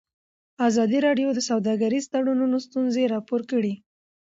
ازادي راډیو د سوداګریز تړونونه ستونزې راپور کړي.